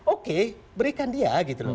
oke berikan dia